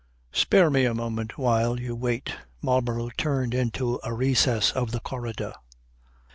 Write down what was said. "Spare me a moment while you wait," Marlborough turned into a recess of the corridor.